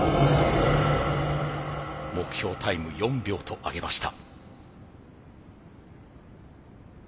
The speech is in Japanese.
目標タイム４秒とあげました。